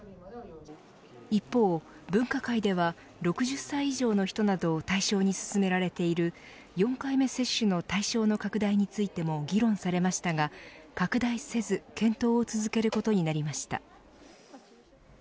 一方、分科会では６０歳以上の人などを対象に進められている４回目接種の対象の拡大についても議論されましたが、拡大せず検討を続けることになりました。